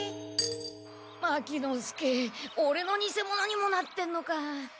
牧之介オレの偽者にもなってんのか。